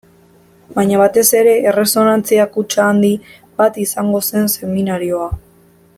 Baina batez ere, erresonantzia kutxa handi bat izango zen seminarioa.